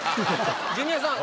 ジュニアさん